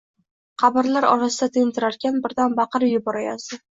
Qabrlar orasida tentirarkan, birdan baqirib yuborayozdi